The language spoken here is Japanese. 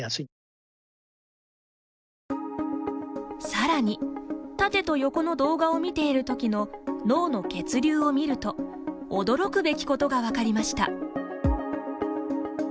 さらに、縦と横の動画を見ているときの脳の血流を見ると驚くべきことが分かりました。